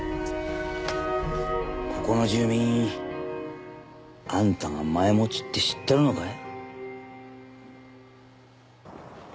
ここの住民あんたがマエ持ちって知ってるのかい？